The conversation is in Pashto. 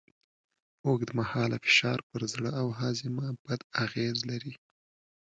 اوږدمهاله فشار پر زړه او هاضمه بد اغېز لري.